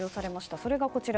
それが、こちら。